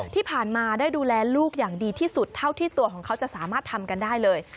ที่ผ่านมาได้ดูแลลูกอย่างดีที่สุดเท่าที่ตัวของเขาจะสามารถทำกันได้เลย